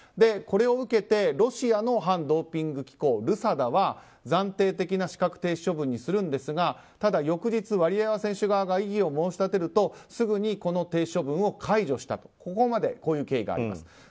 これを受けて、ロシアの反ドーピング機構ＲＵＳＡＤＡは暫定的な資格停止処分にするんですがただ翌日ワリエワ選手側が異議を申し立てるとすぐに停止処分を解除したという経緯があります。